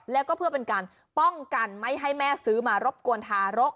แล้วก็เพื่อเป็นการป้องกันไม่ให้แม่ซื้อมารบกวนทารก